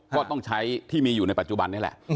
ก็ต้องใช้ที่มีอยู่ในปัจจุบันนี่แหละ